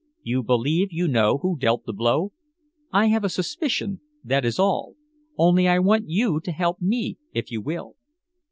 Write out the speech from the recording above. "You believe you know who dealt the blow?" "I have a suspicion that is all. Only I want you to help me, if you will."